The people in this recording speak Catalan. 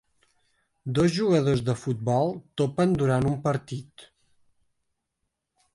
Dos jugadors de futbol topen durant un partit.